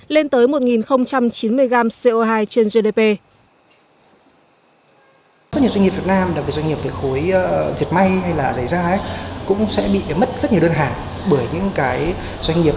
lên tới một chín mươi gram co hai trên gdp